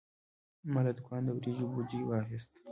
ما له دوکانه د وریجو بوجي واخیست.